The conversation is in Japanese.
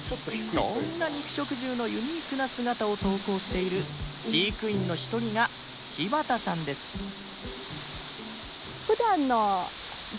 そんな肉食獣のユニークな姿を投稿している飼育員の一人が柴田さんですと思います。